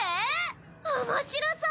面白そう！